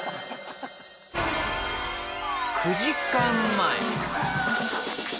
９時間前。